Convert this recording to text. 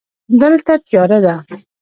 دلته تیاره ده.